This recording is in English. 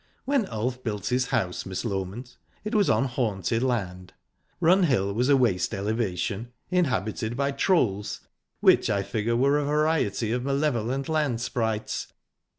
When Ulf built his house, Miss Loment, it was on haunted land. Run Hill was a waste elevation, inhabited by trolls which, I figure, were a variety of malevolent land sprites.